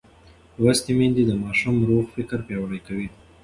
لوستې میندې د ماشوم روغ فکر پیاوړی کوي.